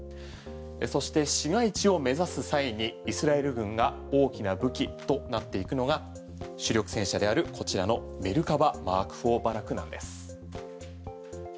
そして、市街地を目指す際にイスラエル軍が大きな武器となっていくのが主力戦車であるこちらのメルカバＭｋ４バラクなんです。